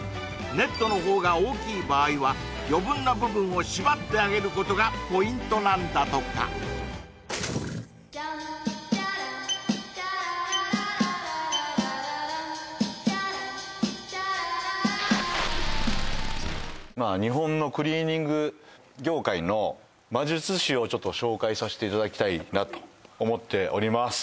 ネットのほうが大きい場合は余分な部分を縛ってあげることがポイントなんだとかまあ日本のクリーニング業界の魔術師をちょっと紹介させていただきたいなと思っております